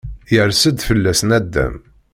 Yers-d fella-s naddam.